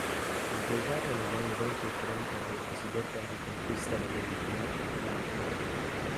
Impiegata negli anni venti e trenta nella cosiddetta riconquista della Libia, la "Mod.